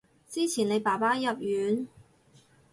之前你爸爸入院